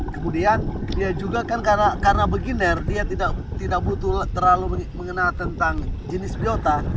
kemudian dia juga kan karena beginner dia tidak butuh terlalu mengenal tentang jenis biota